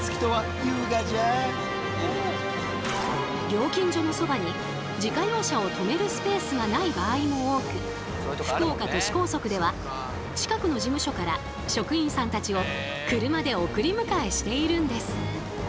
料金所のそばに自家用車を止めるスペースがない場合も多く福岡都市高速では近くの事務所から職員さんたちを車で送り迎えしているんです。